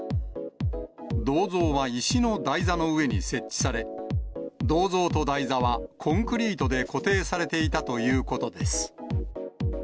銅像は石の台座の上に設置され、銅像と台座は、コンクリートで固定されていたということです。